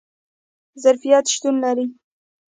ظرفیت شتون لري